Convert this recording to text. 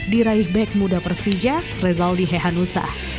diraih back muda persija rezaldi hehanusa